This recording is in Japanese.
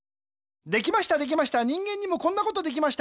できましたできました人間にもこんなことできました。